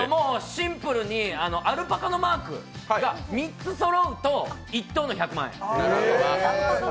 シンプルに、アルパカのマークが３つそろうと、１等の１００万円。